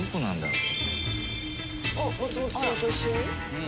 あっ松本さんと一緒に？